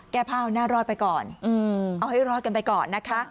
แก้ผ้าเอาหน้ารอดไปก่อนเอาให้รอดกันไปก่อนนะคะ